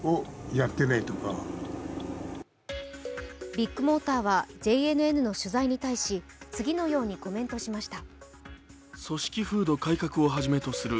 ビッグモーターはＪＮＮの取材に対し次のようにコメントしました。